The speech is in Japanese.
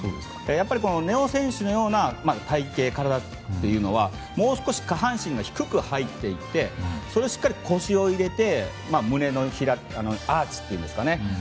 やっぱり根尾選手のような体形はもう少し下半身が低く入っていってそれをしっかり腰を入れて胸のアーチというんですか